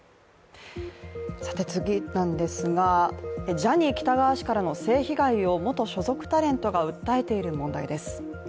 ジャニー喜多川氏からの性被害を元所属タレントが訴えている問題です。